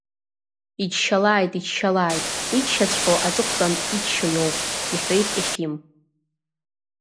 Иччалааит, иччалааит, иччаҵәҟьо аҵыхәтәан иччо иоуп, — иҳәеит Ефим.